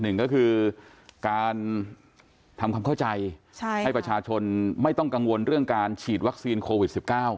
หนึ่งก็คือการทำความเข้าใจให้ประชาชนไม่ต้องกังวลเรื่องการฉีดวัคซีนโควิด๑๙